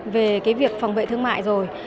về việc phòng vệ thương mại rồi